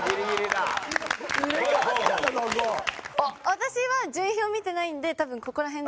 私は順位表見てないんで多分ここら辺です。